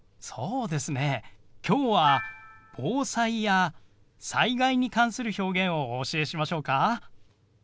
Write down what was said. そうですね今日は防災や災害に関する表現をお教えしましょうか？